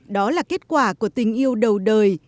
đó là kết quả của tình yêu đầu đời